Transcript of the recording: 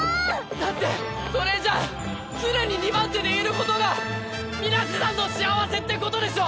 だってそれじゃ常に２番手でいることが水瀬さんの幸せってことでしょ！